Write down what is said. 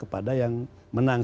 kepada yang menang